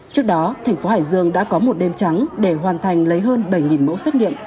trước đó thành phố hải dương đã có một đêm trắng để hoàn thành lấy hơn bảy mẫu xét nghiệm